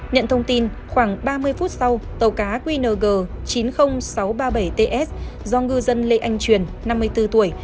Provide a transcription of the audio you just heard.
nhận thông tin khoảng ba mươi phút sau tàu cá qng chín mươi nghìn sáu trăm ba mươi bảy ts do ngư dân lê anh truyền năm mươi bốn tuổi